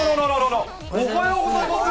おはようございます。